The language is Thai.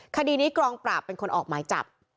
คดีนี้กองปราบเป็นคนออกหมายจับ